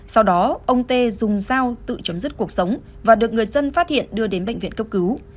sau đó ông tê dùng dao tự chấm dứt cuộc sống và được người dân phát hiện đưa đến bệnh viện cấp cứu